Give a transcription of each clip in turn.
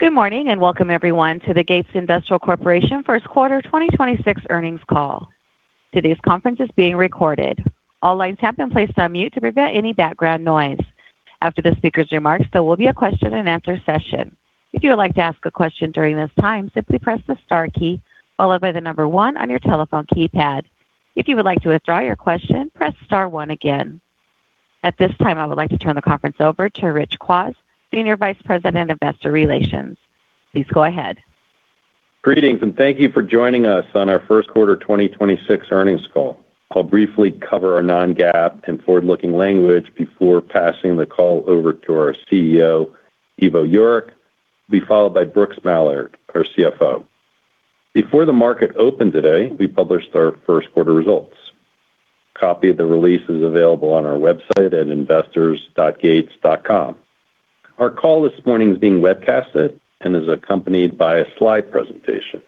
Good morning, and welcome everyone to the Gates Industrial Corporation First Quarter 2026 Earnings Call. Today's conference is being recorded. All lines have been placed on mute to prevent any background noise. After the speaker's remarks, there will be a question and answer session. If you would like to ask a question during this time, simply press the star key followed by the number one on your telephone keypad. If you would like to withdraw your question, press star one again. At this time, I would like to turn the conference over to Rich Kwas, Senior Vice President, Investor Relations. Please go ahead. Greetings, and thank you for joining us on our first quarter 2026 earnings call. I'll briefly cover our non-GAAP and forward-looking language before passing the call over to our CEO, Ivo Jurek, will be followed by Brooks Mallard, our CFO. Before the market opened today, we published our first quarter results. Copy of the release is available on our website at investors.gates.com. Our call this morning is being webcasted and is accompanied by a slide presentation.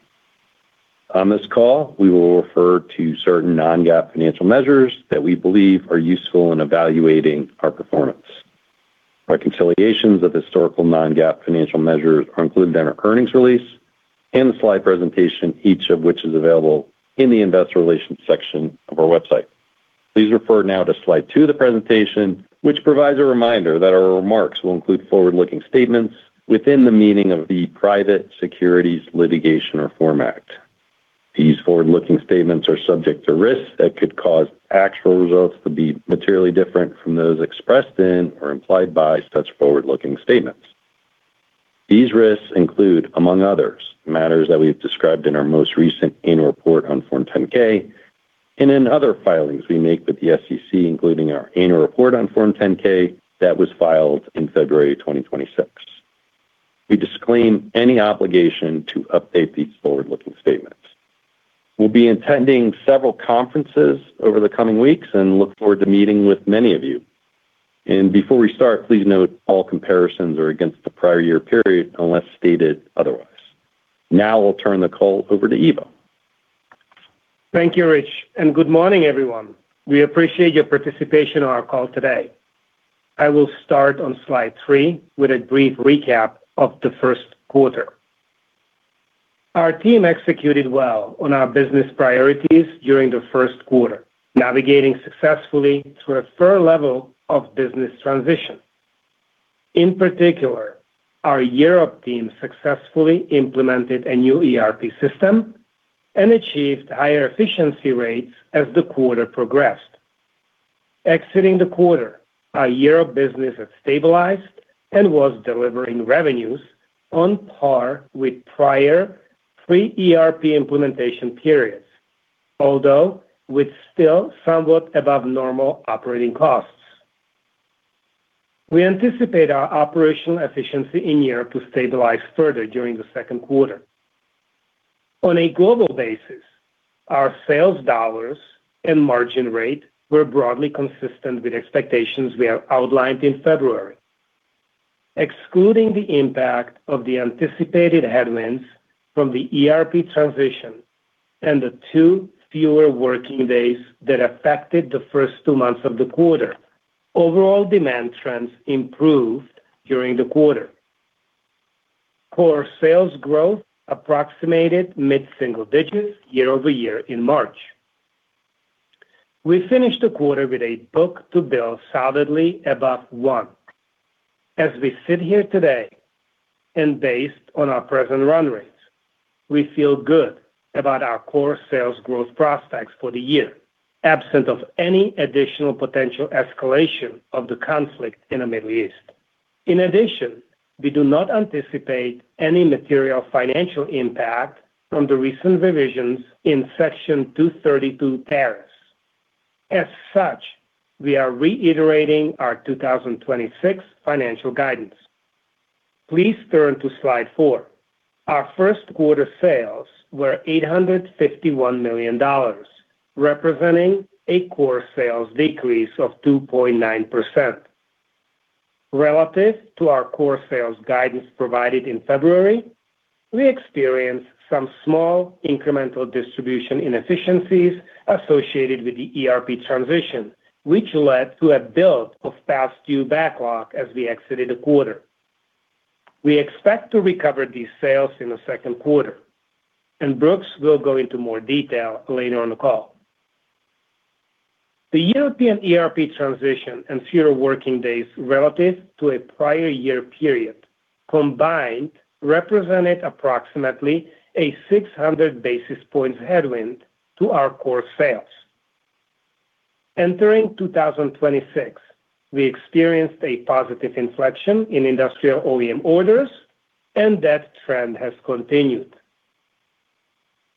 On this call, we will refer to certain non-GAAP financial measures that we believe are useful in evaluating our performance. Reconciliations of historical non-GAAP financial measures are included in our earnings release and the slide presentation, each of which is available in the investor relations section of our website. Please refer now to slide 2 of the presentation, which provides a reminder that our remarks will include forward-looking statements within the meaning of the Private Securities Litigation Reform Act. These forward-looking statements are subject to risks that could cause actual results to be materially different from those expressed in or implied by such forward-looking statements. These risks include, among others, matters that we've described in our most recent annual report on Form 10-K and in other filings we make with the SEC, including our annual report on Form 10-K that was filed in February 2026. We disclaim any obligation to update these forward-looking statements. We'll be attending several conferences over the coming weeks and look forward to meeting with many of you. Before we start, please note all comparisons are against the prior year period, unless stated otherwise. Now I'll turn the call over to Ivo. Thank you, Rich. Good morning, everyone. We appreciate your participation on our call today. I will start on slide 3 with a brief recap of the first quarter. Our team executed well on our business priorities during the first quarter, navigating successfully through a fair level of business transition. In particular, our Europe team successfully implemented a new ERP system and achieved higher efficiency rates as the quarter progressed. Exiting the quarter, our Europe business has stabilized and was delivering revenues on par with prior 3 ERP implementation periods, although with still somewhat above normal operating costs. We anticipate our operational efficiency in Europe to stabilize further during the second quarter. On a global basis, our sales dollars and margin rate were broadly consistent with expectations we have outlined in February. Excluding the impact of the anticipated headwinds from the ERP transition and the 2 fewer working days that affected the first 2 months of the quarter, overall demand trends improved during the quarter. Core sales growth approximated mid-single digits year-over-year in March. We finished the quarter with a book-to-bill solidly above 1. As we sit here today, and based on our present run rates, we feel good about our core sales growth prospects for the year, absent of any additional potential escalation of the conflict in the Middle East. In addition, we do not anticipate any material financial impact from the recent revisions in Section 232 tariffs. As such, we are reiterating our 2026 financial guidance. Please turn to slide 4. Our first quarter sales were $851 million, representing a core sales decrease of 2.9%. Relative to our core sales guidance provided in February, we experienced some small incremental distribution inefficiencies associated with the ERP transition, which led to a build of past due backlog as we exited the quarter. Brooks will go into more detail later on the call. The European ERP transition and fewer working days relative to a prior year period combined represented approximately a 600 basis points headwind to our core sales. Entering 2026, we experienced a positive inflection in industrial OEM orders, and that trend has continued.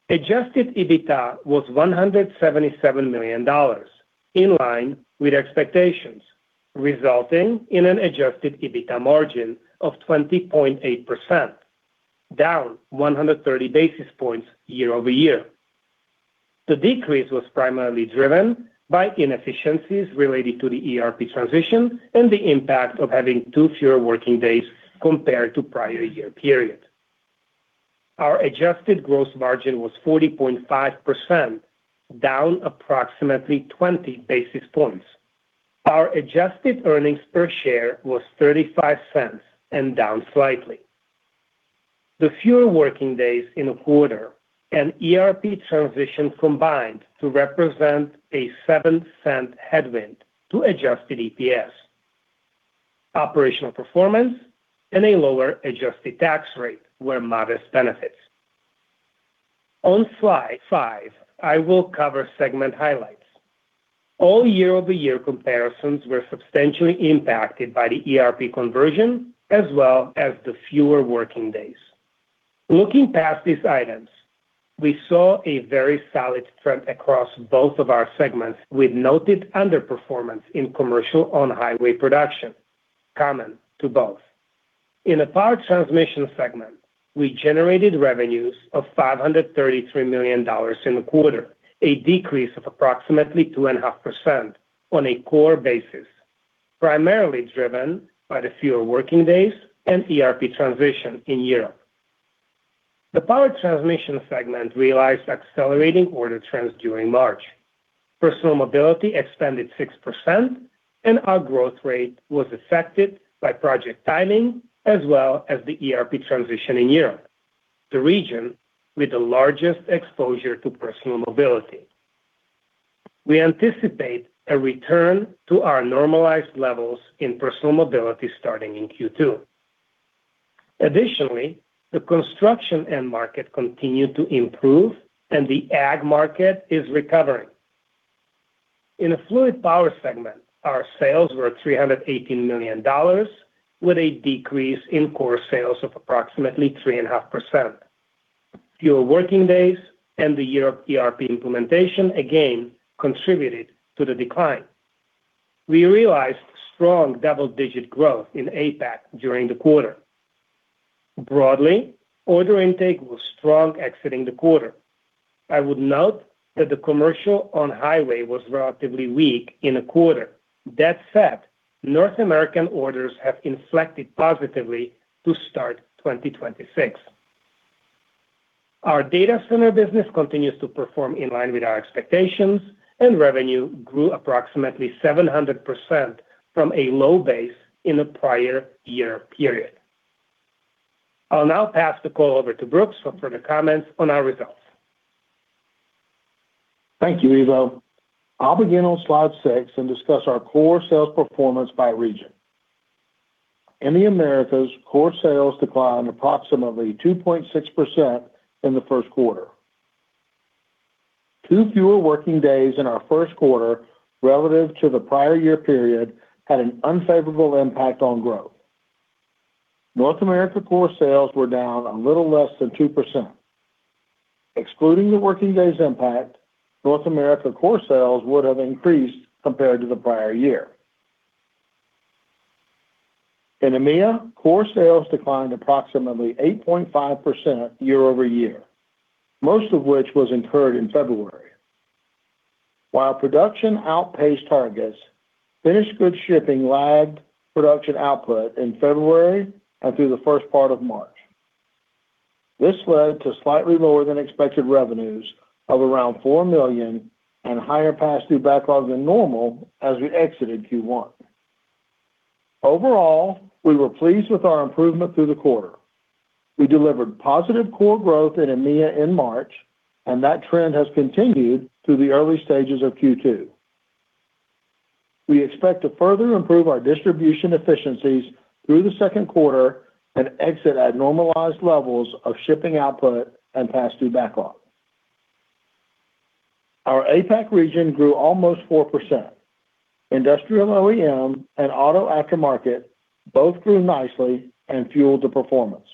Adjusted EBITDA was $177 million, in line with expectations, resulting in an Adjusted EBITDA margin of 20.8%, down 130 basis points year-over-year. The decrease was primarily driven by inefficiencies related to the ERP transition and the impact of having two fewer working days compared to prior year period. Our Adjusted gross margin was 40.5%, down approximately 20 basis points. Our Adjusted EPS was $0.35 and down slightly. The fewer working days in a quarter and ERP transition combined to represent a $0.07 headwind to Adjusted EPS. Operational performance and a lower Adjusted tax rate were modest benefits. On slide 5, I will cover segment highlights. All year-over-year comparisons were substantially impacted by the ERP conversion as well as the fewer working days. Looking past these items, we saw a very solid trend across both of our segments with noted underperformance in commercial on highway production, common to both. In the Power Transmission segment, we generated revenues of $533 million in the quarter, a decrease of approximately 2.5% on a core basis, primarily driven by the fewer working days and ERP transition in Europe. The Power Transmission segment realized accelerating order trends during March. Personal Mobility expanded 6% and our growth rate was affected by project timing as well as the ERP transition in Europe, the region with the largest exposure to Personal Mobility. We anticipate a return to our normalized levels in Personal Mobility starting in Q2. The construction end market continued to improve and the ag market is recovering. In the Fluid Power segment, our sales were $318 million with a decrease in core sales of approximately 3.5%. Fewer working days and the Europe ERP implementation again contributed to the decline. We realized strong double-digit growth in APAC during the quarter. Broadly, order intake was strong exiting the quarter. I would note that the commercial on highway was relatively weak in a quarter. That said, North American orders have inflected positively to start 2026. Our data center business continues to perform in line with our expectations, and revenue grew approximately 700% from a low base in the prior year period. I'll now pass the call over to Brooks for further comments on our results. Thank you, Ivo. I'll begin on slide 6 and discuss our core sales performance by region. In the Americas, core sales declined approximately 2.6% in the first quarter. 2 fewer working days in our first quarter relative to the prior year period had an unfavorable impact on growth. North America core sales were down a little less than 2%. Excluding the working days impact, North America core sales would have increased compared to the prior year. In EMEA, core sales declined approximately 8.5% year-over-year, most of which was incurred in February. While production outpaced targets, finished goods shipping lagged production output in February and through the first part of March. This led to slightly lower than expected revenues of around $4 million and higher pass-through backlog than normal as we exited Q1. Overall, we were pleased with our improvement through the quarter. We delivered positive core growth in EMEA in March, and that trend has continued through the early stages of Q2. We expect to further improve our distribution efficiencies through the second quarter and exit at normalized levels of shipping output and pass through backlog. Our APAC region grew almost 4%. Industrial OEM and auto aftermarket both grew nicely and fueled the performance.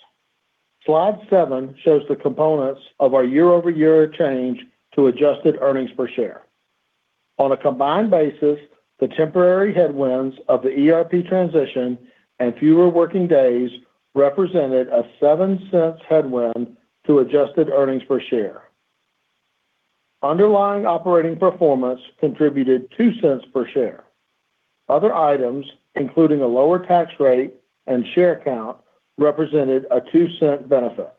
Slide 7 shows the components of our year-over-year change to adjusted earnings per share. On a combined basis, the temporary headwinds of the ERP transition and fewer working days represented a $0.07 headwind to adjusted earnings per share. Underlying operating performance contributed $0.02 per share. Other items, including a lower tax rate and share count, represented a $0.02 benefit.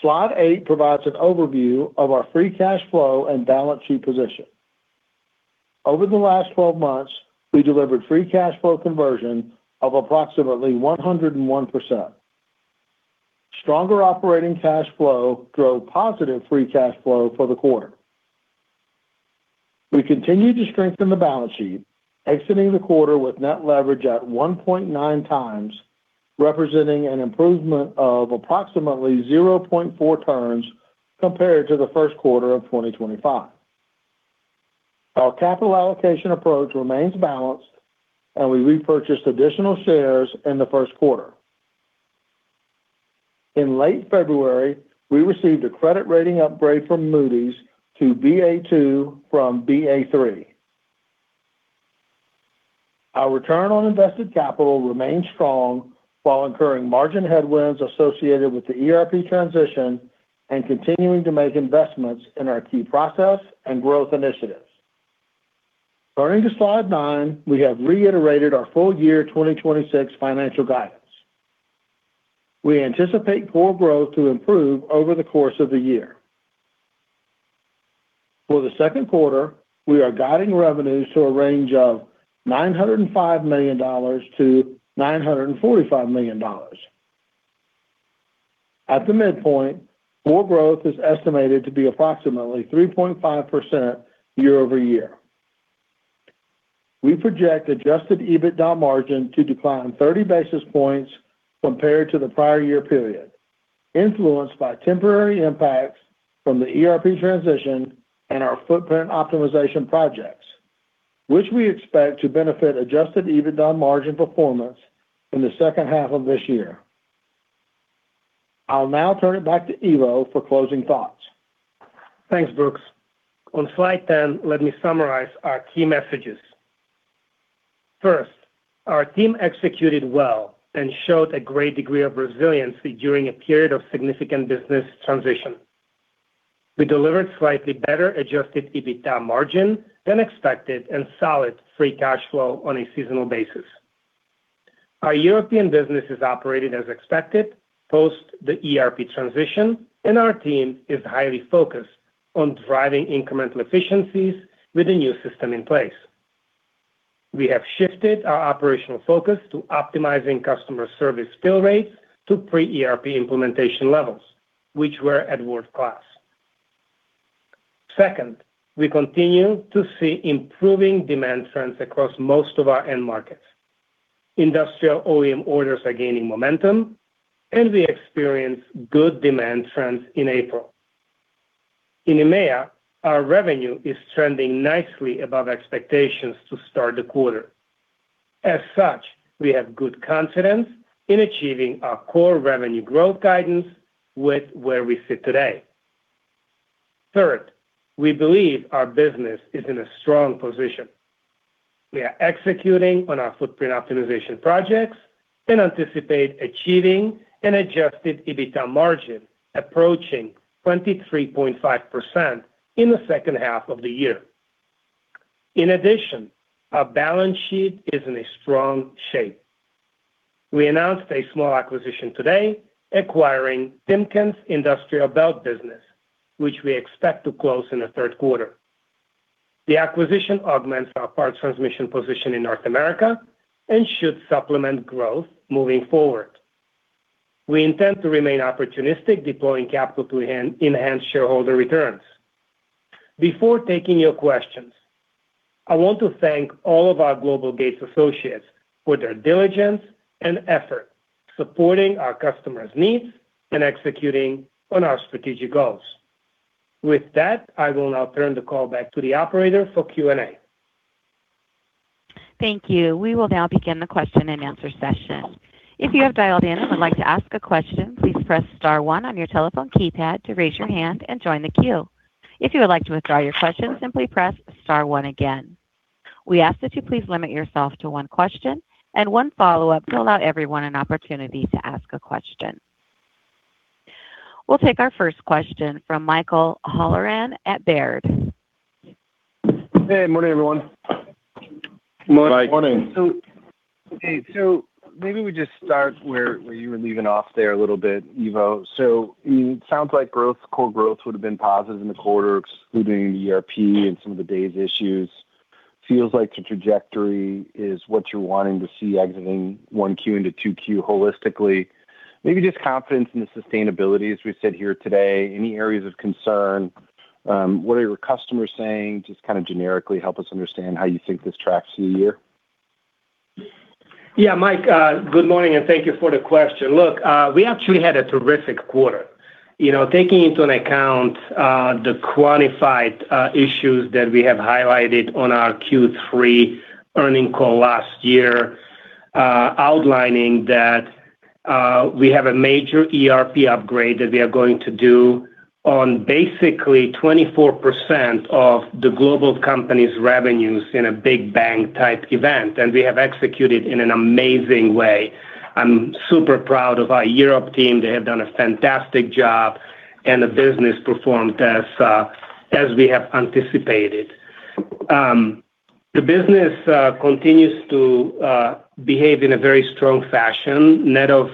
Slide 8 provides an overview of our free cash flow and balance sheet position. Over the last 12 months, we delivered free cash flow conversion of approximately 101%. Stronger operating cash flow drove positive free cash flow for the quarter. We continued to strengthen the balance sheet, exiting the quarter with net leverage at 1.9x, representing an improvement of approximately 0.4 turns compared to the first quarter of 2025. Our capital allocation approach remains balanced, and we repurchased additional shares in the first quarter. In late February, we received a credit rating upgrade from Moody's to Baa2 from Baa3. Our return on invested capital remains strong while incurring margin headwinds associated with the ERP transition and continuing to make investments in our key process and growth initiatives. Turning to slide 9, we have reiterated our full year 2026 financial guidance. We anticipate core growth to improve over the course of the year. For the second quarter, we are guiding revenues to a range of $905 million-$945 million. At the midpoint, core growth is estimated to be approximately 3.5% year-over-year. We project Adjusted EBITDA margin to decline 30 basis points compared to the prior year period, influenced by temporary impacts from the ERP transition and our footprint optimization projects, which we expect to benefit Adjusted EBITDA margin performance in the second half of this year. I'll now turn it back to Ivo for closing thoughts. Thanks, Brooks. On slide 10, let me summarize our key messages. First, our team executed well and showed a great degree of resiliency during a period of significant business transition. We delivered slightly better Adjusted EBITDA margin than expected and solid free cash flow on a seasonal basis. Our European business is operating as expected post the ERP transition, and our team is highly focused on driving incremental efficiencies with the new system in place. We have shifted our operational focus to optimizing customer service fill rates to pre-ERP implementation levels, which were at world-class. Second, we continue to see improving demand trends across most of our end markets. Industrial OEM orders are gaining momentum, and we experienced good demand trends in April. In EMEA, our revenue is trending nicely above expectations to start the quarter. As such, we have good confidence in achieving our core revenue growth guidance with where we sit today. Third, we believe our business is in a strong position. We are executing on our footprint optimization projects and anticipate achieving an Adjusted EBITDA margin approaching 23.5% in the second half of the year. In addition, our balance sheet is in a strong shape. We announced a small acquisition today, acquiring Timken's industrial belt business, which we expect to close in the third quarter. The acquisition augments our Power Transmission position in North America and should supplement growth moving forward. We intend to remain opportunistic, deploying capital to enhance shareholder returns. Before taking your questions, I want to thank all of our global Gates associates for their diligence and effort supporting our customers' needs and executing on our strategic goals. With that, I will now turn the call back to the operator for Q&A. Thank you. We will now begin the question-and-answer session. If you have dialed in and would like to ask a question, please press star one on your telephone keypad to raise your hand and join the queue. If you would like to withdraw your question, simply press star one again. We ask that you please limit yourself to one question and one follow-up to allow everyone an opportunity to ask a question. We'll take our first question from Michael Halloran at Baird. Hey, morning, everyone. Morning. Morning. Hey, maybe we just start where you were leaving off there a little bit, Ivo. It sounds like growth, core growth would have been positive in the quarter excluding the ERP and some of the days issues. Feels like the trajectory is what you're wanting to see exiting 1Q into 2Q holistically. Maybe just confidence in the sustainability as we sit here today, any areas of concern, what are your customers saying? Just kind of generically help us understand how you think this tracks through the year. Yeah, Mike, good morning, and thank you for the question. Look, we actually had a terrific quarter, you know, taking into account the quantified issues that we have highlighted on our Q3 earnings call last year, outlining that we have a major ERP upgrade that we are going to do on basically 24% of the global company's revenues in a big bang type event. We have executed in an amazing way. I'm super proud of our Europe team. They have done a fantastic job, and the business performed as we have anticipated. The business continues to behave in a very strong fashion. Net of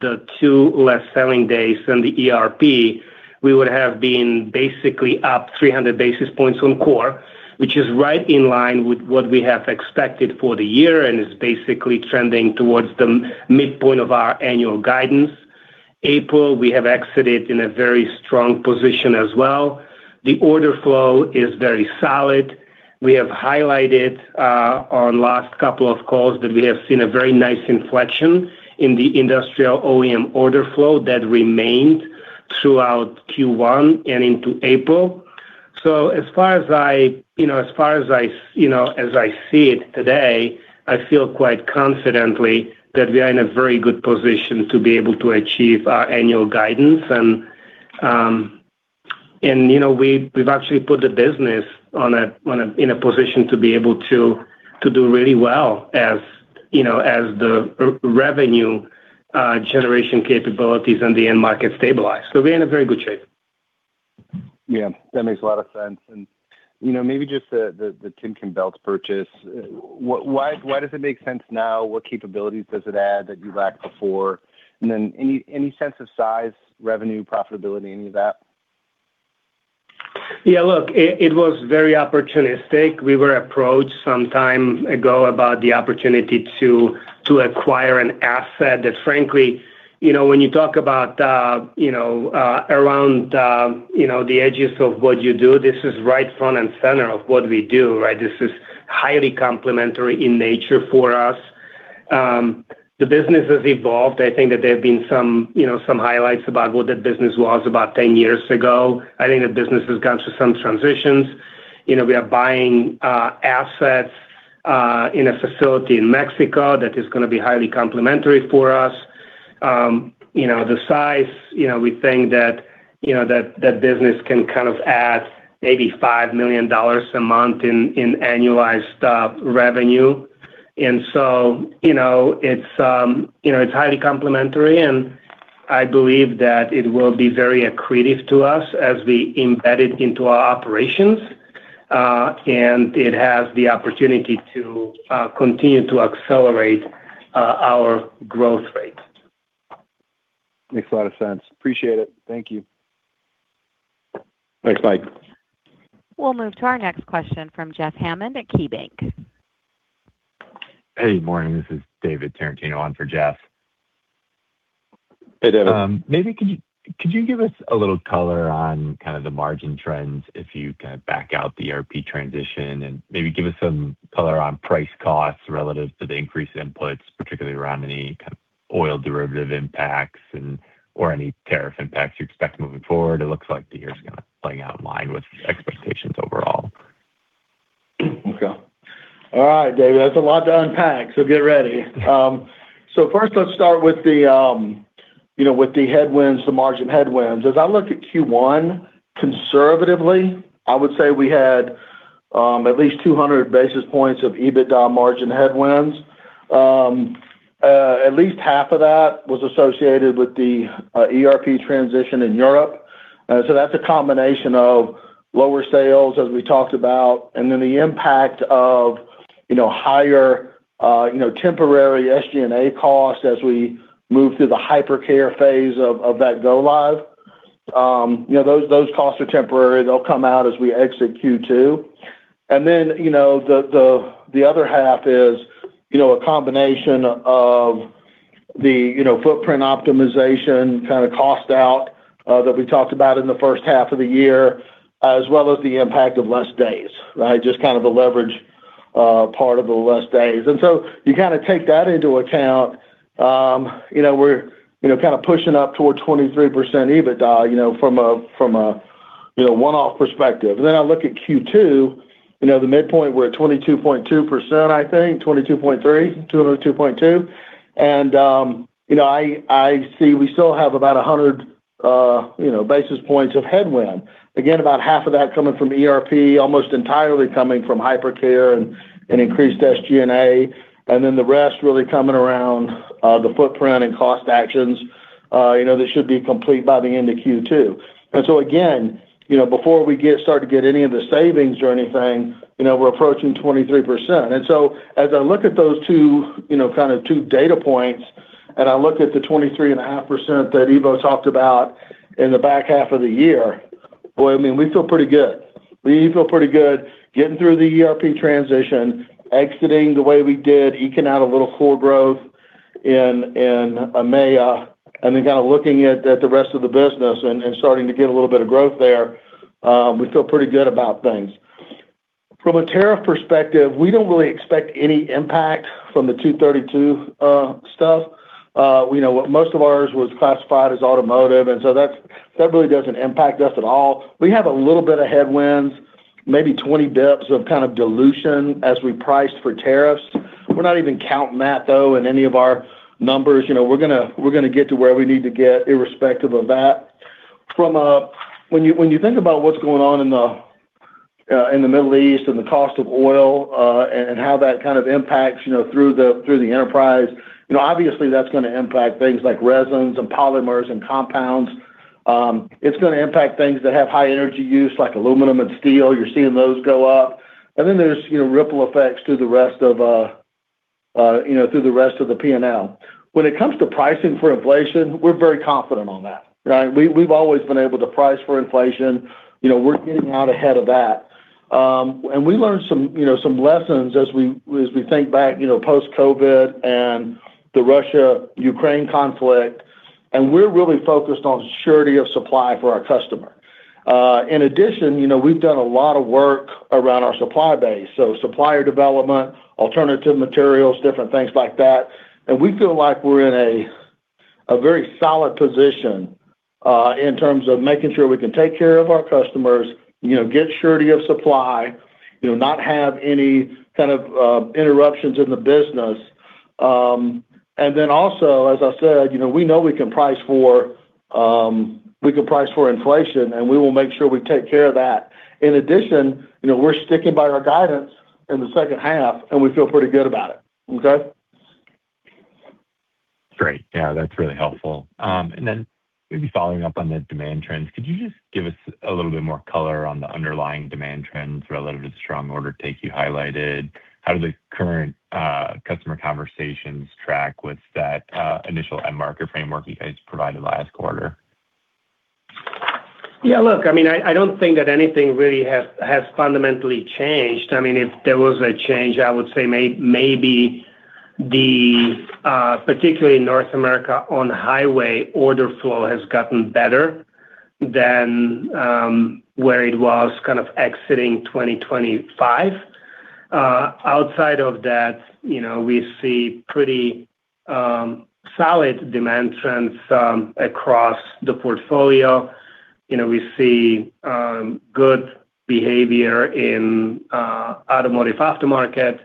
the two less selling days and the ERP, we would have been basically up 300 basis points on core, which is right in line with what we have expected for the year and is basically trending towards the midpoint of our annual guidance. April, we have exited in a very strong position as well. The order flow is very solid. We have highlighted on last couple of calls that we have seen a very nice inflection in the industrial OEM order flow that remained throughout Q1 and into April. As far as I see it today, I feel quite confidently that we are in a very good position to be able to achieve our annual guidance. You know, we've actually put the business in a position to be able to do really well as, you know, as the revenue generation capabilities and the end market stabilize. We're in a very good shape. Yeah, that makes a lot of sense. You know, maybe just the Timken Belts purchase. Why does it make sense now? What capabilities does it add that you lacked before? Any sense of size, revenue, profitability, any of that? Look, it was very opportunistic. We were approached some time ago about the opportunity to acquire an asset that frankly, you know, when you talk about, you know, around, you know, the edges of what you do, this is right front and center of what we do, right? This is highly complementary in nature for us. The business has evolved. I think that there have been some, you know, some highlights about what that business was about 10 years ago. I think the business has gone through some transitions. You know, we are buying assets in a facility in Mexico that is gonna be highly complementary for us. You know, the size, you know, we think that, you know, that business can kind of add maybe $5 million a month in annualized revenue. You know, it's, you know, it's highly complementary, and I believe that it will be very accretive to us as we embed it into our operations. It has the opportunity to continue to accelerate our growth rate. Makes a lot of sense. Appreciate it. Thank you. Thanks, Mike. We'll move to our next question from Jeffrey Hammond at KeyBanc Capital Markets. Hey, morning. This is David Tarantino on for Jeff. Hey, David. Maybe could you give us a little color on kinda the margin trends if you kinda back out the ERP transition? Maybe give us some color on price costs relative to the increased inputs, particularly around any kind of oil derivative impacts and, or any tariff impacts you expect moving forward. It looks like the year's kinda playing out in line with expectations overall. All right, David, that's a lot to unpack, get ready. First let's start with the, you know, with the headwinds, the margin headwinds. As I look at Q1 conservatively, I would say we had at least 200 basis points of EBITDA margin headwinds. At least half of that was associated with the ERP transition in Europe. That's a combination of lower sales as we talked about, and then the impact of, you know, higher, you know, temporary SG&A costs as we move through the hypercare phase of that go live. You know, those costs are temporary. They'll come out as we exit Q2. Then, you know, the other half is, you know, a combination of the, you know, footprint optimization kinda cost out that we talked about in the first half of the year, as well as the impact of less days, right? Just kind of the leverage part of the less days. So you kinda take that into account, you know, we're, you know, kinda pushing up toward 23% EBITDA, you know, from a, you know, one-off perspective. Then I look at Q2, you know, the midpoint we're at 22.2% I think, 22.3, 22.2. I see we still have about 100, you know, basis points of headwind. Again, about half of that coming from ERP, almost entirely coming from hypercare and increased SG&A. The rest really coming around the footprint and cost actions. You know, this should be complete by the end of Q2. Again, you know, before we start to get any of the savings or anything, you know, we're approaching 23%. As I look at those two, you know, kind of two data points, I look at the 23.5% that Ivo talked about in the back half of the year, boy, I mean, we feel pretty good. We feel pretty good getting through the ERP transition, exiting the way we did, eking out a little core growth in EMEA, then kind of looking at the rest of the business and starting to get a little bit of growth there. We feel pretty good about things. From a tariff perspective, we don't really expect any impact from the Section 232 stuff. You know, most of ours was classified as automotive, that really doesn't impact us at all. We have a little bit of headwinds, maybe 20 basis points of kind of dilution as we price for tariffs. We're not even counting that though in any of our numbers. You know, we're gonna get to where we need to get irrespective of that. When you think about what's going on in the Middle East and the cost of oil, how that kind of impacts, you know, through the enterprise, you know, obviously that's gonna impact things like resins and polymers and compounds. It's gonna impact things that have high energy use like aluminum and steel. You're seeing those go up. Then there's, you know, ripple effects through the rest of, you know, through the rest of the P&L. When it comes to pricing for inflation, we're very confident on that, right? We've always been able to price for inflation. You know, we're getting out ahead of that. We learned some, you know, some lessons as we, as we think back, you know, post-COVID and the Russia-Ukraine conflict, and we're really focused on surety of supply for our customer. In addition, you know, we've done a lot of work around our supply base, so supplier development, alternative materials, different things like that. We feel like we're in a very solid position in terms of making sure we can take care of our customers, you know, get surety of supply, you know, not have any kind of interruptions in the business. Also, as I said, you know, we know we can price for, we can price for inflation, and we will make sure we take care of that. In addition, you know, we're sticking by our guidance in the second half, and we feel pretty good about it. Okay. Great. Yeah, that's really helpful. Maybe following up on the demand trends, could you just give us a little bit more color on the underlying demand trends relative to the strong order take you highlighted? How do the current customer conversations track with that initial end market framework you guys provided last quarter? I don't think that anything really has fundamentally changed. If there was a change, I would say maybe the particularly North America on highway order flow has gotten better than where it was kind of exiting 2025. Outside of that, you know, we see pretty solid demand trends across the portfolio. You know, we see good behavior in automotive aftermarket.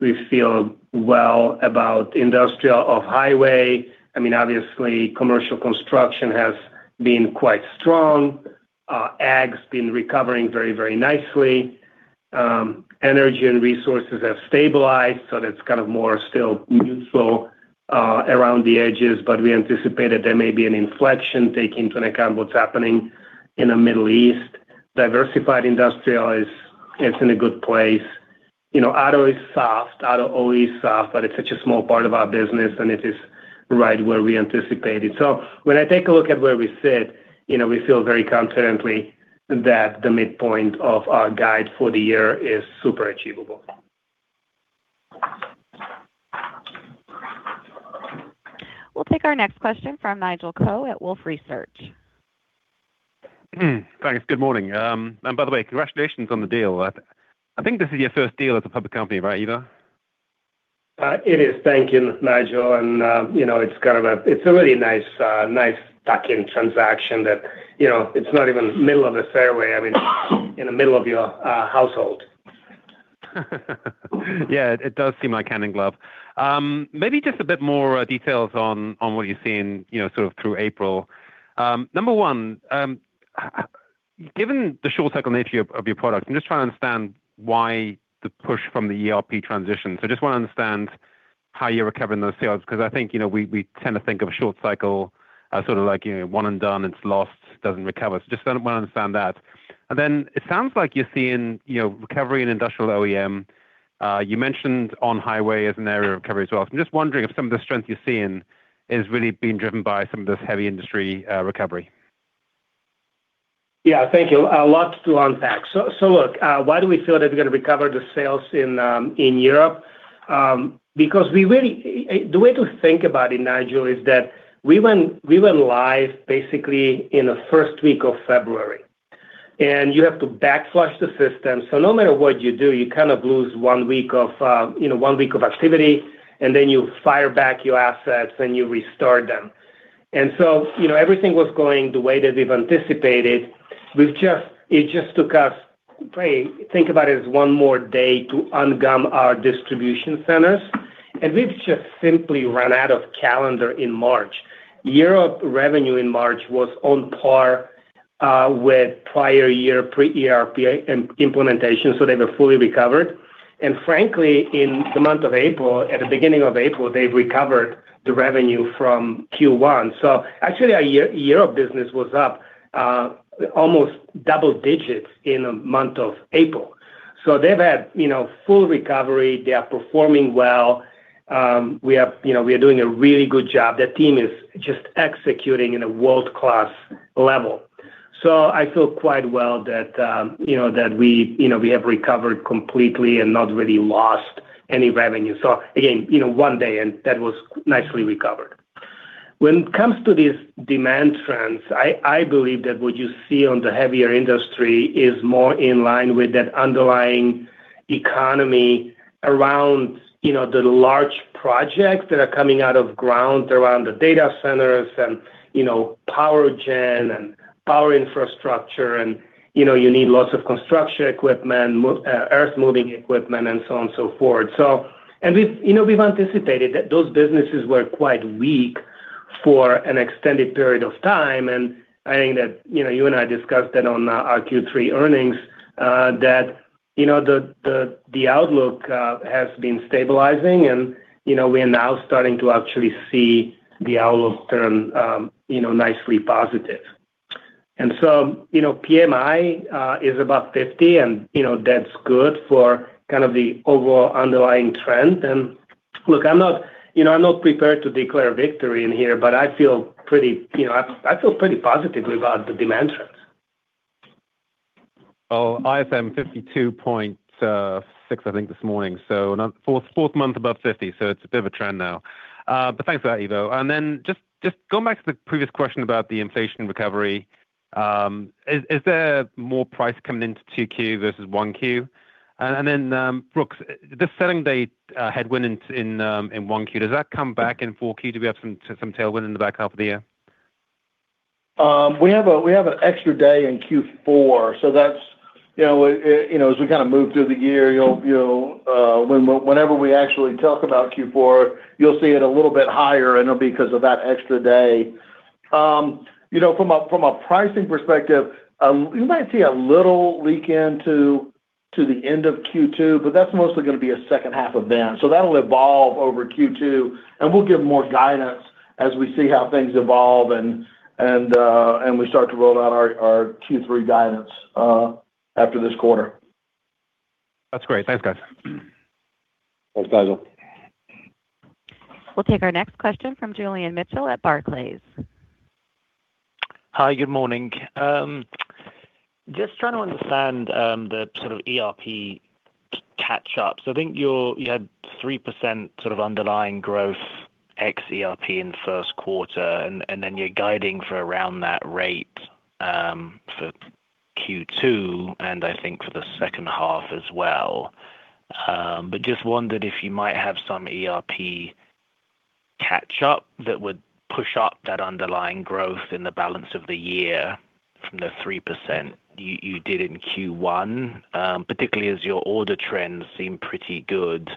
We feel well about industrial off highway. Obviously commercial construction has been quite strong. Ag's been recovering very nicely. Energy and resources have stabilized, so that's kind of more still neutral around the edges, but we anticipated there may be an inflection take into account what's happening in the Middle East. Diversified industrial is in a good place. You know, auto is soft. Auto always soft, but it's such a small part of our business, and it is right where we anticipated. When I take a look at where we sit, you know, we feel very confidently that the midpoint of our guide for the year is super achievable. We'll take our next question from Nigel Coe at Wolfe Research. Thanks. Good morning. By the way, congratulations on the deal. I think this is your first deal as a public company, right, Ivo? It is. Thank you, Nigel. You know, it's a really nice tuck-in transaction that, you know, it's not even middle of the fairway, I mean, in the middle of your household. It does seem like hand in glove. Maybe just a bit more details on what you're seeing, you know, sort of through April. Number one, given the short cycle nature of your product, I'm just trying to understand why the push from the ERP transition. Just wanna understand how you're recovering those sales, 'cause I think, you know, we tend to think of a short cycle as sort of like, you know, one and done, it's lost, doesn't recover. Just kinda wanna understand that. It sounds like you're seeing, you know, recovery in industrial OEM. You mentioned on highway as an area of recovery as well. I'm just wondering if some of the strength you're seeing is really being driven by some of this heavy industry recovery. Yeah. Thank you. A lot to unpack. Why do we feel that we're gonna recover the sales in Europe? Because the way to think about it, Nigel, is that we went live basically in the first week of February. You have to back flush the system, so no matter what you do, you kind of lose one week of, you know, one week of activity, you fire back your assets, and you restart them. You know, everything was going the way that we've anticipated. It just took us, probably think about it as one more day to ungum our distribution centers, we've just simply run out of calendar in March. Europe revenue in March was on par with prior year pre-ERP implementation, they were fully recovered. In the month of April, at the beginning of April, they've recovered the revenue from Q1. Our Europe business was up almost double digits in the month of April. They've had, you know, full recovery. They are performing well. We have, you know, we are doing a really good job. The team is just executing in a world-class level. I feel quite well that, you know, that we, you know, we have recovered completely and not really lost any revenue. You know, one day, and that was nicely recovered. When it comes to these demand trends, I believe that what you see on the heavier industry is more in line with that underlying economy around, you know, the large projects that are coming out of ground around the data centers and, you know, power gen and power infrastructure and, you know, you need lots of construction equipment, earthmoving equipment, and so on and so forth. We've, you know, we've anticipated that those businesses were quite weak for an extended period of time, and I think that, you know, you and I discussed that on our Q3 earnings, that, you know, the outlook has been stabilizing and, you know, we are now starting to actually see the outlook turn, you know, nicely positive. You know, PMI is above 50 and, you know, that's good for kind of the overall underlying trend. Look, I'm not, you know, I'm not prepared to declare victory in here, but I feel pretty, you know, I feel pretty positively about the demand trends. Well, ISM 52.6, I think this morning, so for 4th month above 50, so it's a bit of a trend now. Thanks for that, Ivo. Then going back to the previous question about the inflation recovery, is there more price coming into 2Q versus 1Q? Then, Brooks, this selling day headwind in 1Q, does that come back in 4Q? Do we have some tailwind in the back half of the year? We have an extra day in Q4. That's, you know, you know, as we kind of move through the year, you'll, whenever we actually talk about Q4, you'll see it a little bit higher. It'll be 'cause of that extra day. You know, from a pricing perspective, you might see a little leak into the end of Q2, but that's mostly gonna be a second half event. That'll evolve over Q2, and we'll give more guidance as we see how things evolve and we start to roll out our Q3 guidance after this quarter. That's great. Thanks, guys. We'll take our next question from Julian Mitchell at Barclays. Hi. Good morning. Just trying to understand the sort of ERP catch-up. I think you had 3% sort of underlying growth ex ERP in 1Q, and then you're guiding for around that rate for Q2, and I think for the second half as well. Just wondered if you might have some ERP catch-up that would push up that underlying growth in the balance of the year from the 3% you did in 1Q, particularly as your order trends seem pretty good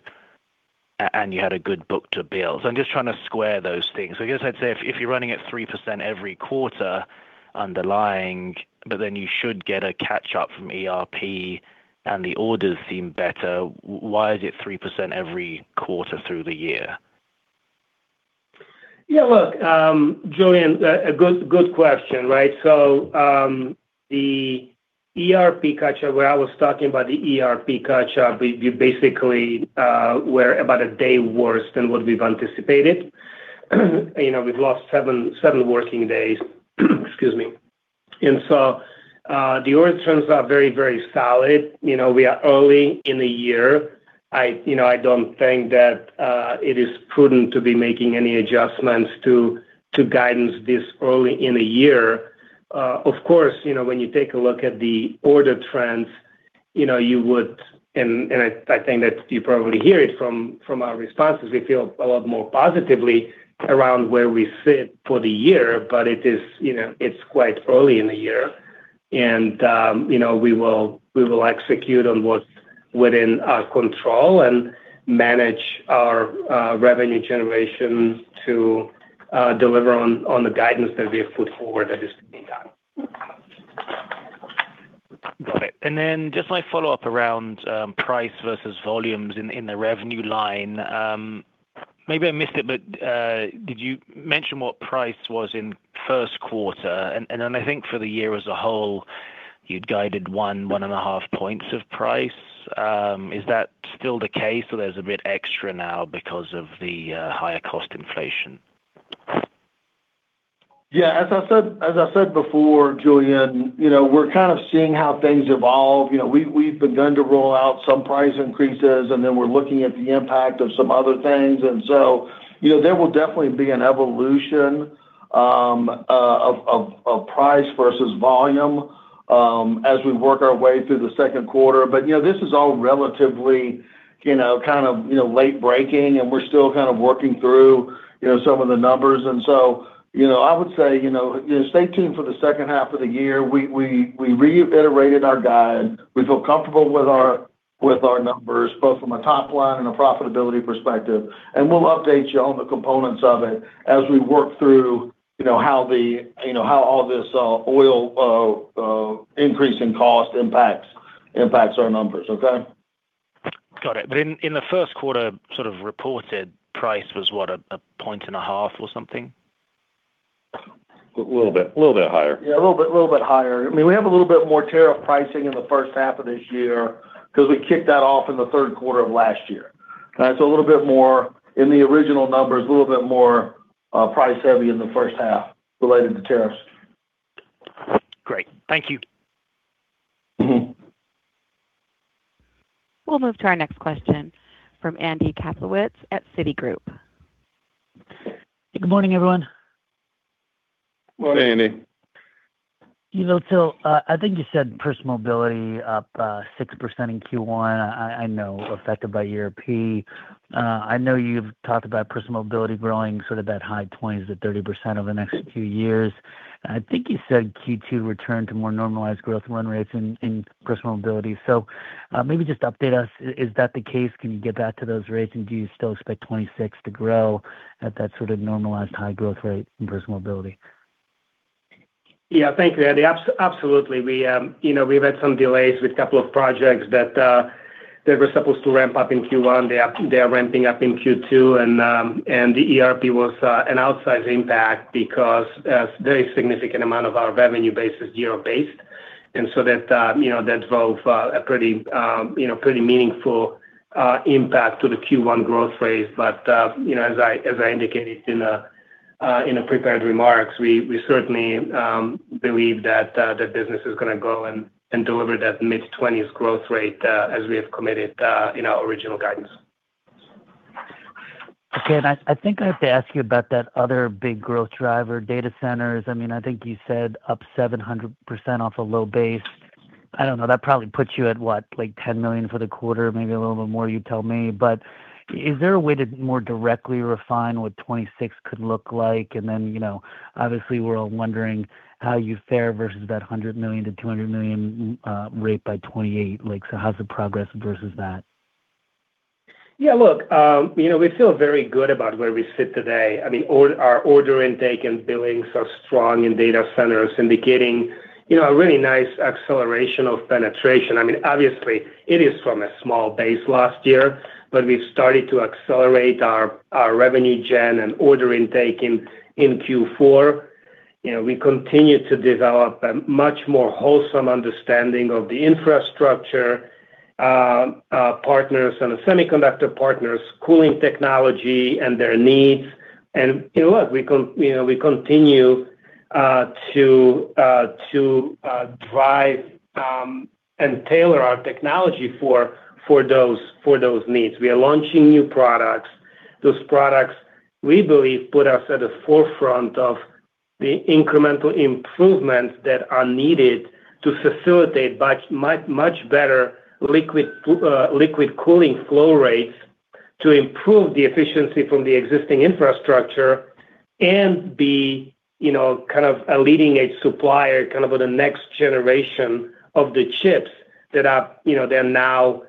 and you had a good book-to-bill. I'm just trying to square those things. I guess I'd say if you're running at 3% every quarter underlying, but then you should get a catch-up from ERP and the orders seem better, why is it 3% every quarter through the year? Look, Julian, a good question, right? The ERP catch-up, where I was talking about the ERP catch-up, we basically were about a day worse than what we've anticipated. You know, we've lost 7 working days. Excuse me. The order trends are very, very solid. You know, we are early in the year. I, you know, I don't think that it is prudent to be making any adjustments to guidance this early in the year. Of course, when you take a look at the order trends, you would. I think that you probably hear it from our responses, we feel a lot more positively around where we sit for the year. It is, you know, it's quite early in the year. You know, we will execute on what's within our control and manage our revenue generation to deliver on the guidance that we have put forward that is to be done. Got it. Just my follow-up around price versus volumes in the revenue line. Maybe I missed it, but did you mention what price was in first quarter? Then I think for the year as a whole, you'd guided 1.5 points of price. Is that still the case or there's a bit extra now because of the higher cost inflation? Yeah. As I said before, Julian, you know, we're kind of seeing how things evolve. You know, we've begun to roll out some price increases. We're looking at the impact of some other things. You know, there will definitely be an evolution of price versus volume as we work our way through the second quarter. You know, this is all relatively, you know, kind of late breaking. We're still kind of working through, you know, some of the numbers. You know, I would say, you know, stay tuned for the second half of the year. We reiterated our guide. We feel comfortable with our numbers, both from a top line and a profitability perspective, and we'll update you on the components of it as we work through, you know, how all this oil increase in cost impacts our numbers. Okay. Got it. In the first quarter sort of reported price was, what, a point and a half or something? Little bit. Little bit higher. Yeah. A little bit higher. I mean, we have a little bit more tariff pricing in the first half of this year 'cause we kicked that off in the third quarter of last year. It's a little bit more in the original numbers, a little bit more price heavy in the first half related to tariffs. Great. Thank you. Mm-hmm. We'll move to our next question from Andy Kaplowitz at Citigroup. Good morning, everyone. Morning, Andy Kaplowitz. You know, Ivo Jurek, I think you said Personal Mobility up 6% in Q1. I know affected by ERP. I know you've talked about Personal Mobility growing sort of that high 20%-30% over the next few years. I think you said Q2 return to more normalized growth run rates in Personal Mobility. maybe just update us, is that the case? Can you get back to those rates? Do you still expect 2026 to grow at that sort of normalized high growth rate in Personal Mobility? Thank you, Andy. Absolutely. We, you know, we've had some delays with couple of projects that were supposed to ramp up in Q1. They are ramping up in Q2. The ERP was an outsized impact because a very significant amount of our revenue base is euro-based. That, you know, that drove a pretty, you know, pretty meaningful impact to the Q1 growth rate. You know, as I indicated in the prepared remarks, we certainly believe that the business is gonna grow and deliver that mid-20s growth rate as we have committed in our original guidance. Okay. I think I have to ask you about that other big growth driver, data centers. I mean, I think you said up 700% off a low base. I don't know. That probably puts you at, what, like, $10 million for the quarter, maybe a little bit more, you tell me. Is there a way to more directly refine what 2026 could look like? You know, obviously, we're all wondering how you fare versus that $100 million-$200 million rate by 2028. How's the progress versus that? You know, we feel very good about where we sit today. I mean, our order intake and billings are strong in data centers indicating, you know, a really nice acceleration of penetration. I mean, obviously it is from a small base last year, but we've started to accelerate our revenue gen and order intake in Q4. You know, we continue to develop a much more wholesome understanding of the infrastructure partners and the semiconductor partners, cooling technology and their needs. You know, we continue to drive and tailor our technology for those needs. We are launching new products. Those products, we believe, put us at the forefront of the incremental improvements that are needed to facilitate much, much better liquid cooling flow rates to improve the efficiency from the existing infrastructure and be, you know, kind of a leading-edge supplier, kind of on the next generation of the chips that are, you know, they're now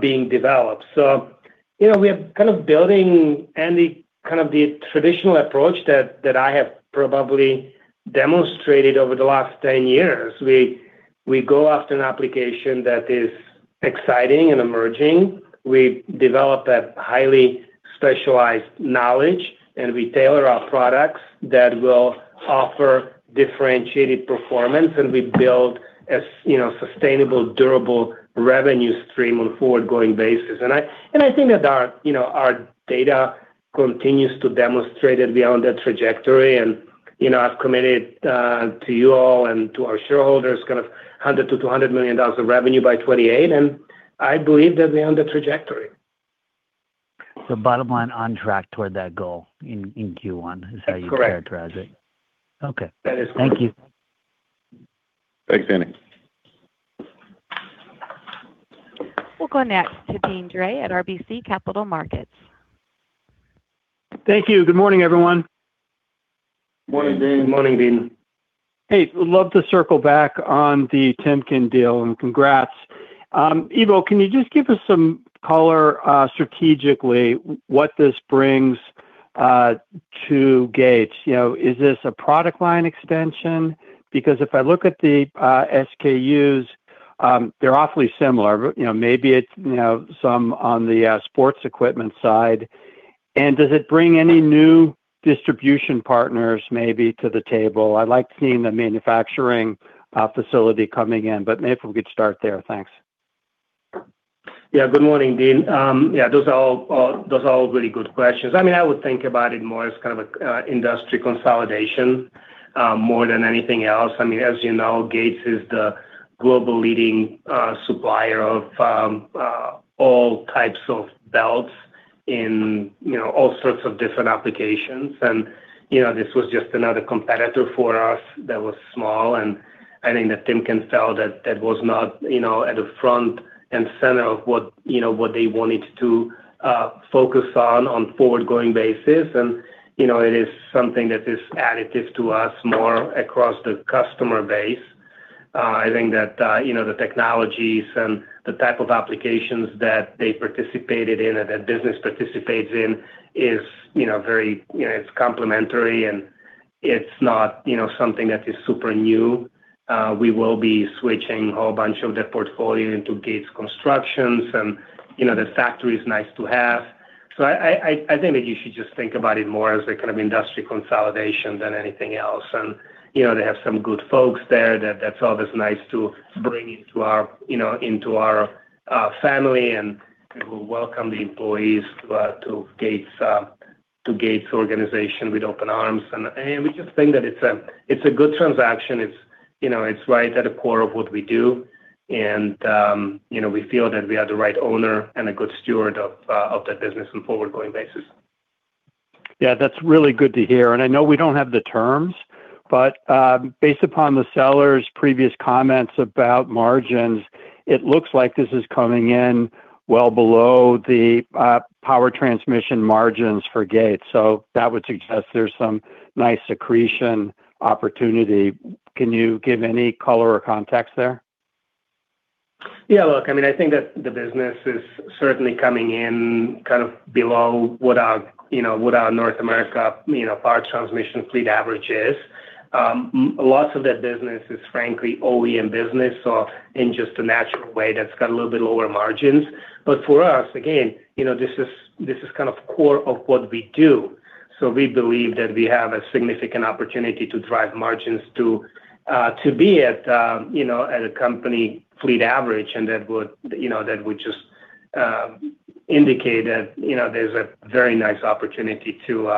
being developed. You know, we are kind of building and the kind of the traditional approach that I have probably demonstrated over the last 10 years. We go after an application that is exciting and emerging. We develop that highly specialized knowledge, we tailor our products that will offer differentiated performance, we build a, you know, sustainable, durable revenue stream on a forward-going basis. I think that our, you know, our data continues to demonstrate that we're on that trajectory. You know, I've committed to you all and to our shareholders kind of $100 million-$200 million of revenue by 2028, and I believe that we're on that trajectory. Bottom line, on track toward that goal in Q1, is how you'd characterize it? Correct. Okay. That is correct. Thank you. Thanks, Andy We'll go next to Deane Dray at RBC Capital Markets. Thank you. Good morning, everyone. Morning, Deane. Morning, Deane. Hey, love to circle back on the Timken deal, and congrats. Ivo, can you just give us some color strategically what this brings to Gates? You know, is this a product line extension? Because if I look at the SKUs, they're awfully similar. You know, maybe it's, you know, some on the sports equipment side. Does it bring any new distribution partners maybe to the table? I like seeing the manufacturing facility coming in, but maybe if we could start there. Thanks. Yeah, good morning, Deane. Those are all really good questions. I mean, I would think about it more as kind of a industry consolidation more than anything else. I mean, as you know, Gates is the global leading supplier of all types of belts in, you know, all sorts of different applications. You know, this was just another competitor for us that was small, and I think that Timken felt that that was not, you know, at the front and center of what, you know, they wanted to focus on on forward-going basis. You know, it is something that is additive to us more across the customer base. I think that, you know, the technologies and the type of applications that they participated in and that business participates in is, you know, very, you know, it's complementary and it's not, you know, something that is super new. We will be switching a whole bunch of the portfolio into Gates constructions and, you know, the factory is nice to have. I, I think that you should just think about it more as a kind of industry consolidation than anything else. You know, they have some good folks there that that's always nice to bring into our, you know, into our family and we welcome the employees to Gates, to Gates organization with open arms. We just think that it's a, it's a good transaction. It's, you know, it's right at the core of what we do and, you know, we feel that we are the right owner and a good steward of that business on a forward-going basis. Yeah, that's really good to hear. I know we don't have the terms, based upon the seller's previous comments about margins, it looks like this is coming in well below the Power Transmission margins for Gates. That would suggest there's some nice accretion opportunity. Can you give any color or context there? Yeah, look, I mean, I think that the business is certainly coming in kind of below what our, you know, what our North America, you know, Power Transmission fleet average is. Lots of that business is frankly OEM business, so in just a natural way that's got a little bit lower margins. For us, again, you know, this is, this is kind of core of what we do. We believe that we have a significant opportunity to drive margins to be at, you know, at a company fleet average. That would, you know, that would just indicate that, you know, there's a very nice opportunity to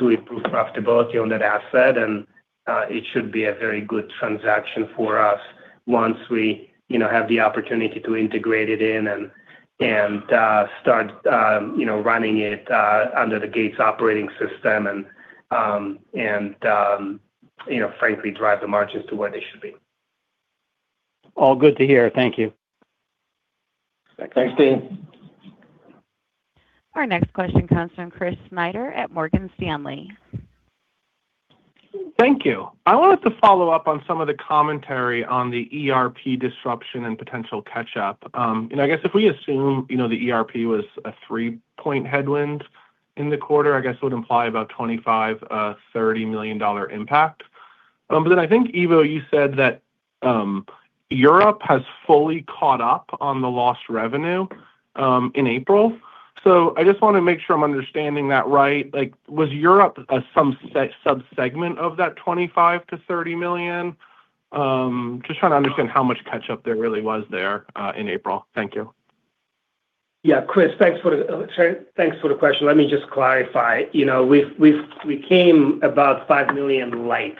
improve profitability on that asset, and it should be a very good transaction for us once we, you know, have the opportunity to integrate it in and start, you know, running it under the Gates Operating System and, you know, frankly drive the margins to where they should be. All good to hear. Thank you. Thanks, Deane. Thanks. Our next question comes from Chris Snyder at Morgan Stanley. Thank you. I wanted to follow up on some of the commentary on the ERP disruption and potential catch up. I guess if we assume, you know, the ERP was a 3-point headwind in the quarter, I guess it would imply about $25 million-$30 million impact. I think, Ivo, you said that Europe has fully caught up on the lost revenue in April. I just want to make sure I'm understanding that right. Like, was Europe a subsegment of that $25 million-$30 million? Just trying to understand how much catch up there really was there in April. Thank you. Yeah. Chris, thanks for the question. Let me just clarify. You know, we've, we came about $5 million light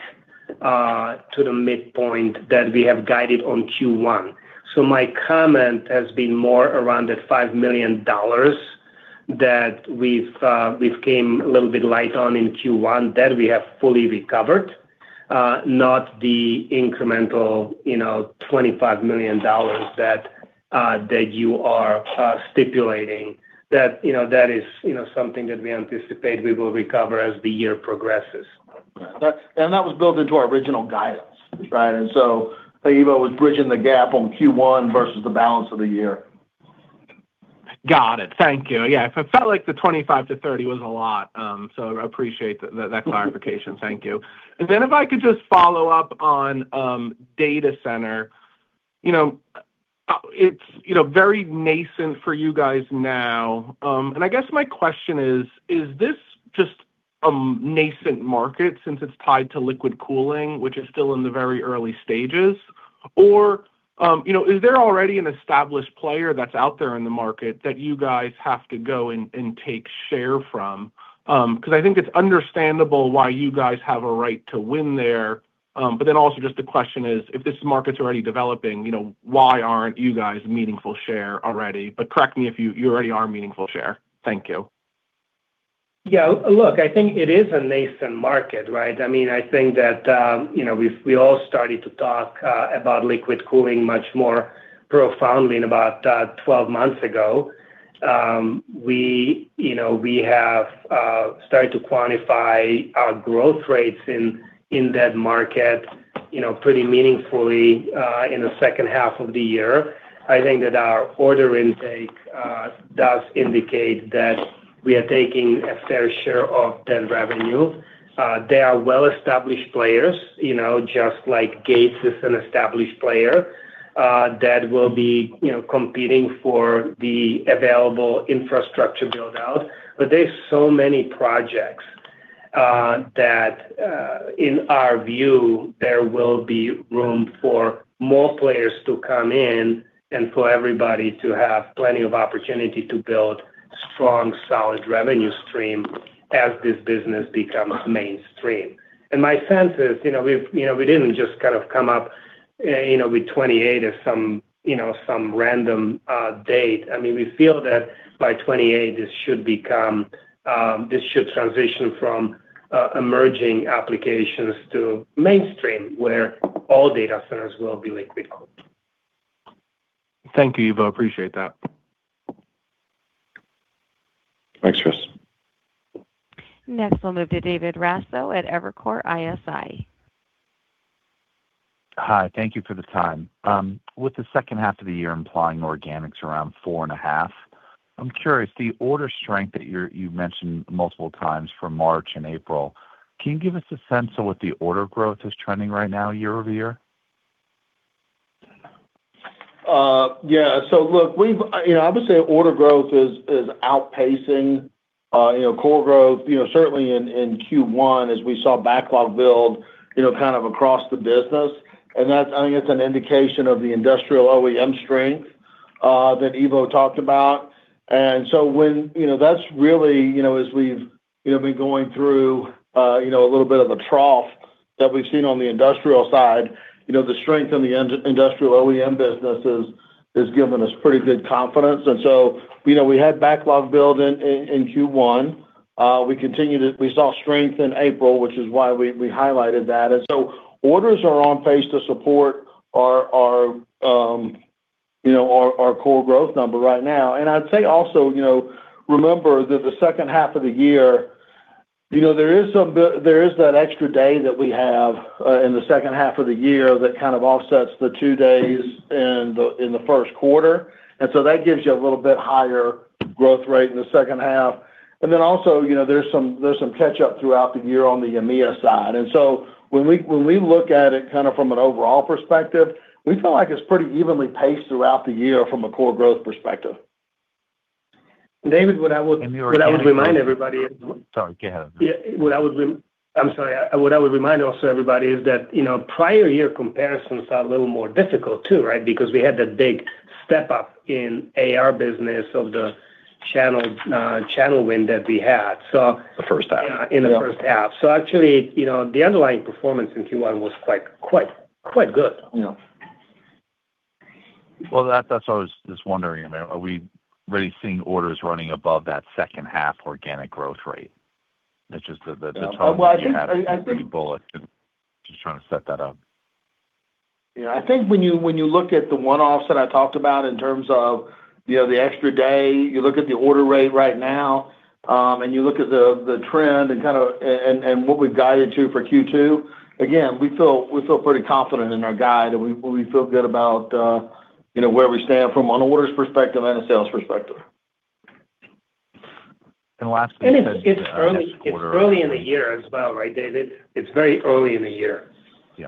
to the midpoint that we have guided on Q1. My comment has been more around the $5 million that we've, we came a little bit light on in Q1 that we have fully recovered, not the incremental, you know, $25 million that you are stipulating. You know, that is, you know, something that we anticipate we will recover as the year progresses. Right. That was built into our original guidance, right? Ivo was bridging the gap on Q1 versus the balance of the year. Got it. Thank you. It felt like the 25 to 30 was a lot, I appreciate that clarification. Thank you. If I could just follow up on data center. You know, it's, you know, very nascent for you guys now. I guess my question is this just a nascent market since it's tied to liquid cooling, which is still in the very early stages? Is there already an established player that's out there in the market that you guys have to go and take share from? Because I think it's understandable why you guys have a right to win there. Also just the question is, if this market's already developing, you know, why aren't you guys meaningful share already? Correct me if you already are meaningful share. Thank you. Yeah. Look, I think it is a nascent market, right? I mean, I think that, you know, we all started to talk about liquid cooling much more profoundly in about 12 months ago. We, you know, we have started to quantify our growth rates in that market, you know, pretty meaningfully in the second half of the year. I think that our order intake does indicate that we are taking a fair share of that revenue. There are well-established players, you know, just like Gates is an established player, that will be, you know, competing for the available infrastructure build-out. There's so many projects that in our view, there will be room for more players to come in and for everybody to have plenty of opportunity to build strong, solid revenue stream as this business becomes mainstream. My sense is, you know, we've, you know, we didn't just kind of come up, you know, with 2028 as some, you know, some random date. I mean, we feel that by 2028 this should become, this should transition from emerging applications to mainstream, where all data centers will be liquid cooled. Thank you, Ivo. Appreciate that. Thanks, Chris. Next, we'll move to David Raso at Evercore ISI. Hi. Thank you for the time. With the second half of the year implying organics around 4.5%, I'm curious, the order strength that you've mentioned multiple times for March and April, can you give us a sense of what the order growth is trending right now year-over-year? Yeah. Obviously order growth is outpacing core growth, certainly in Q1 as we saw backlog build across the business, and that's, I think it's an indication of the industrial OEM strength that Ivo talked about. That's really as we've been going through a little bit of a trough that we've seen on the industrial side, the strength in the industrial OEM business has given us pretty good confidence. We had backlog build in Q1. We saw strength in April, which is why we highlighted that. Orders are on pace to support our core growth number right now. I'd say also, you know, remember that the second half of the year, you know, there is that extra day that we have in the second half of the year that kind of offsets the 2 days in the, in the firstst quarter. That gives you a little bit higher growth rate in the second half. Then also, you know, there's some, there's some catch up throughout the year on the EMEA side. When we look at it kind of from an overall perspective, we feel like it's pretty evenly paced throughout the year from a core growth perspective. David, what I. Your organic growth. What I would remind everybody is. Sorry. Go ahead. Yeah. I'm sorry. What I would remind also everybody is that, you know, prior year comparisons are a little more difficult too, right? Because we had that big step up in AR business of the channel win that we had. The first half. Yeah, in the first half. Actually, you know, the underlying performance in Q1 was quite good, you know? Well, that's what I was just wondering about. Are we really seeing orders running above that second half organic growth rate? It's just the tone. Well. that you had in the bullet. Just trying to set that up. Yeah, I think when you look at the one-offs that I talked about in terms of, you know, the extra day, you look at the order rate right now, and you look at the trend and kinda, and what we've guided to for Q2, again, we feel pretty confident in our guide and we feel good about, you know, where we stand from an orders perspective and a sales perspective. It's early in the year as well, right, David? It's very early in the year. Yeah.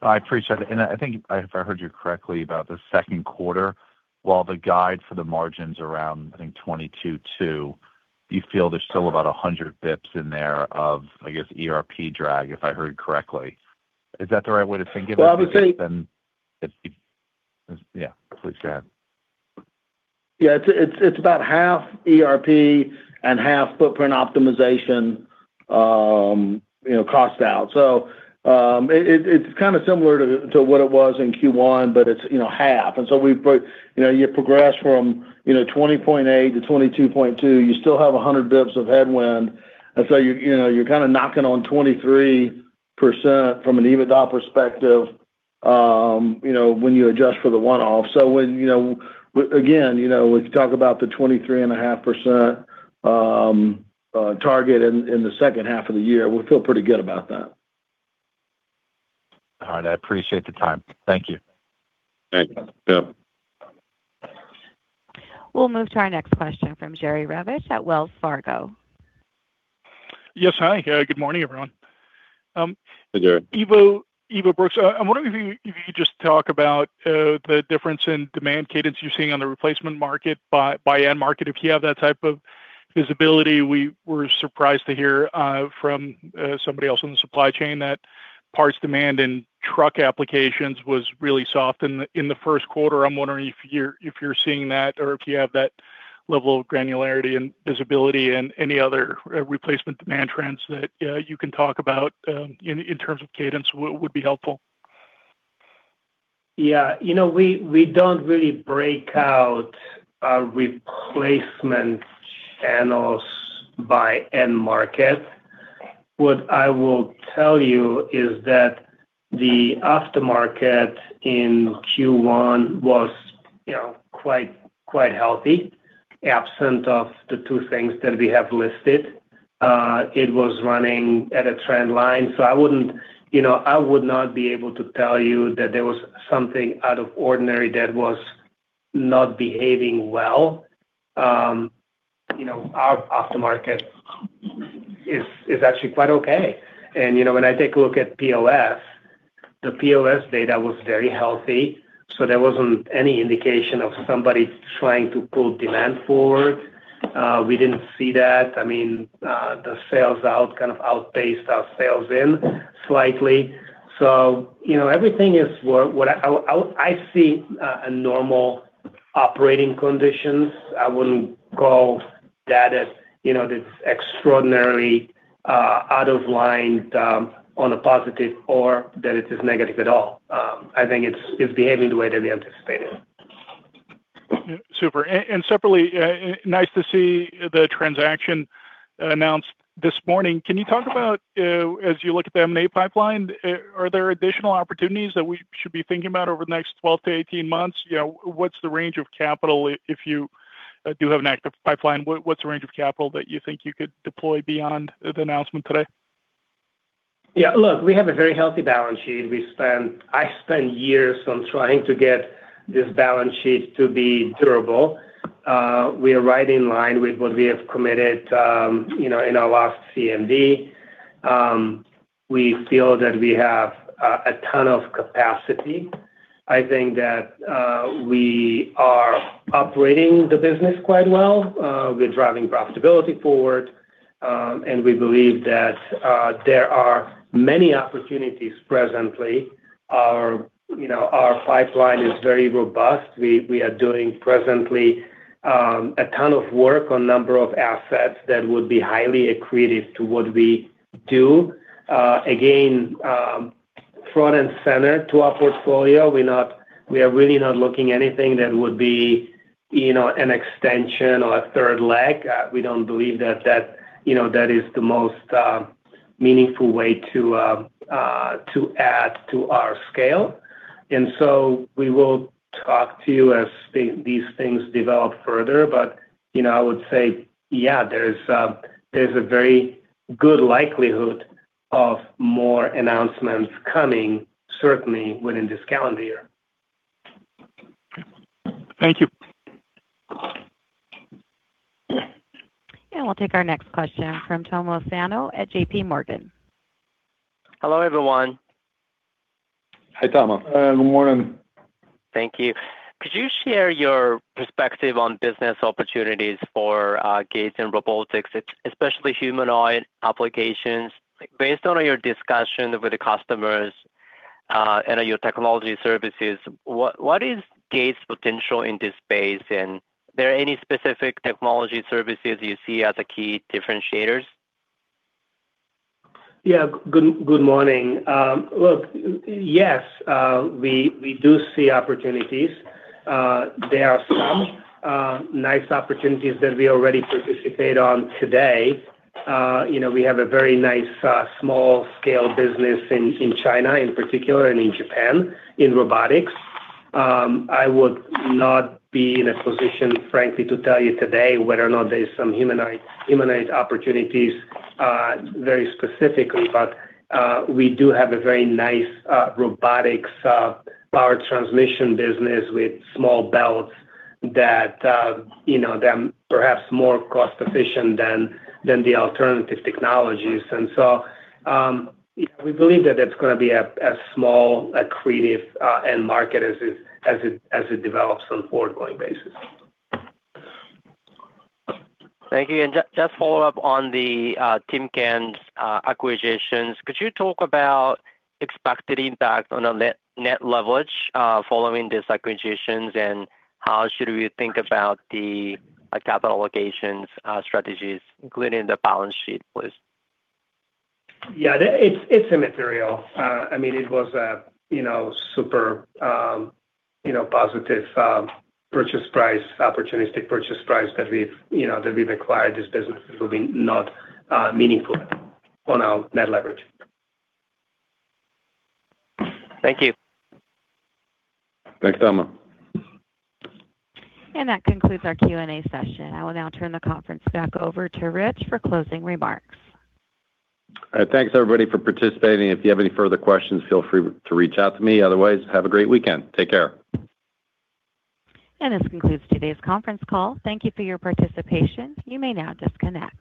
I appreciate that. I think if I heard you correctly about the second quarter, while the guide for the margins around, I think, 22.2%, do you feel there's still about 100 basis points in there of, I guess, ERP drag, if I heard correctly? Is that the right way to think of it? Well, obviously. Yeah, please go ahead. Yeah, it's, it's about half ERP and half footprint optimization, you know, cost out. It's kinda similar to what it was in Q1, but it's, you know, half. We put, you know, you progress from, you know, 20.8 to 22.2, you still have 100 bips of headwind. You, you know, you're kinda knocking on 23% from an EBITDA perspective, you know, when you adjust for the one-off. When, you know, again, you know, if you talk about the 23.5% target in the second half of the year, we feel pretty good about that. All right. I appreciate the time. Thank you. Thank you. Yep. We'll move to our next question from Jerry Revich at Wells Fargo. Yes. Hi. Good morning, everyone. Hey, Jerry. Ivo, Brooks. I'm wondering if you could just talk about the difference in demand cadence you're seeing on the replacement market by end market, if you have that type of visibility. We were surprised to hear from somebody else in the supply chain that parts demand in truck applications was really soft in the first quarter. I'm wondering if you're seeing that or if you have that level of granularity and visibility and any other replacement demand trends that you can talk about in terms of cadence would be helpful. Yeah. You know, we don't really break out our replacement channels by end market. What I will tell you is that the aftermarket in Q1 was, you know, quite healthy, absent of the two things that we have listed. It was running at a trend line. I wouldn't, you know, I would not be able to tell you that there was something out of ordinary that was not behaving well. You know, our aftermarket is actually quite okay. You know, when I take a look at POS, the POS data was very healthy, so there wasn't any indication of somebody trying to pull demand forward. We didn't see that. I mean, the sales out kind of outpaced our sales in slightly. You know, everything is what I see, a normal operating conditions. I wouldn't call that as, you know, this extraordinarily, out of line, on a positive or that it is negative at all. I think it's behaving the way that we anticipated. Super. Separately, nice to see the transaction announced this morning. Can you talk about, as you look at the M&A pipeline, are there additional opportunities that we should be thinking about over the next 12 to 18 months? You know, what's the range of capital if you do have an active pipeline, what's the range of capital that you think you could deploy beyond the announcement today? Look, we have a very healthy balance sheet. I spent years on trying to get this balance sheet to be durable. We are right in line with what we have committed, you know, in our last CMD. We feel that we have a ton of capacity. I think that we are operating the business quite well. We're driving profitability forward. We believe that there are many opportunities presently. Our, you know, our pipeline is very robust. We are doing presently a ton of work on number of assets that would be highly accretive to what we do. Again, front and center to our portfolio, we are really not looking anything that would be, you know, an extension or a third leg. We don't believe that, you know, that is the most meaningful way to add to our scale. We will talk to you as these things develop further. You know, I would say, yeah, there's a very good likelihood of more announcements coming certainly within this calendar year. Thank you. We'll take our next question from Tomo Sano at JPMorgan. Hello, everyone. Hi, Tomo. Good morning. Thank you. Could you share your perspective on business opportunities for Gates and robotics, especially humanoid applications? Based on your discussion with the customers, and your technology services, what is Gates' potential in this space? There are any specific technology services you see as a key differentiators? Yeah. Good morning. Yes, we do see opportunities. There are some nice opportunities that we already participate on today. You know, we have a very nice small scale business in China in particular and in Japan in robotics. I would not be in a position, frankly, to tell you today whether or not there's some humanoid opportunities very specifically, but we do have a very nice robotics Power Transmission business with small belts that, you know, them perhaps more cost efficient than the alternative technologies. We believe that it's gonna be a small accretive end market as it develops on forward going basis. Thank you. Just follow up on the Timken's acquisitions, could you talk about expected impact on a net leverage following these acquisitions, and how should we think about the capital allocations strategies, including the balance sheet, please? Yeah. It's immaterial. I mean, it was a, you know, super, you know, positive, purchase price, opportunistic purchase price that we've, you know, that we've acquired this business. It will be not meaningful on our net leverage. Thank you. Thanks, Tomo. That concludes our Q&A session. I will now turn the conference back over to Rich for closing remarks. All right. Thanks everybody for participating. If you have any further questions, feel free to reach out to me. Otherwise, have a great weekend. Take care. This concludes today's conference call. Thank you for your participation. You may now disconnect.